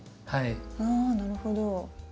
あなるほど。